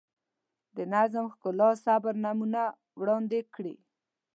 د نظم، ښکلا، صبر نمونه وړاندې کړي.